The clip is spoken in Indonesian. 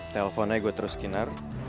teleponnya gue terus kinar